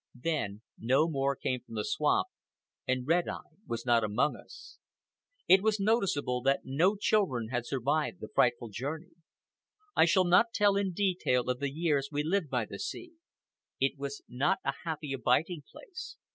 Then no more came from the swamp, and Red Eye was not among us. It was noticeable that no children had survived the frightful journey. I shall not tell in detail of the years we lived by the sea. It was not a happy abiding place.